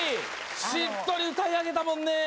しっとり歌い上げたもんねぇ。